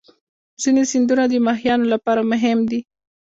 ځینې سیندونه د ماهیانو لپاره مهم دي.